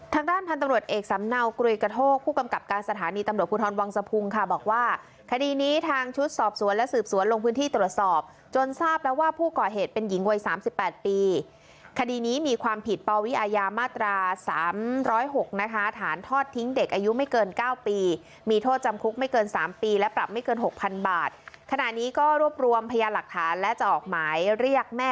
ทางด้านพันธุ์ตำรวจเอกสำเนากุรีกระโทกผู้กำกับการสถานีตำรวจคุณทรวงสภูมิค่ะบอกว่าคดีนี้ทางชุดสอบสวนและสืบสวนลงพื้นที่ตรวจสอบจนทราบแล้วว่าผู้ก่อเหตุเป็นหญิงวัยสามสิบแปดปีคดีนี้มีความผิดเป่าวิอาญามาตราสามร้อยหกนะคะฐานทอดทิ้งเด็กอายุไม่เกินเก้าปีมีโทษจำ